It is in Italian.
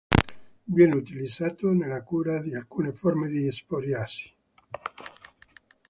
Viene utilizzato nella cura di alcune forme di psoriasi.